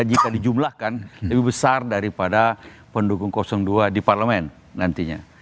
jika dijumlahkan lebih besar daripada pendukung dua di parlemen nantinya